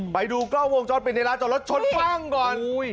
ไปดูกล้าวงจอดเป็นในรถจอดรถชนปั้งก่อน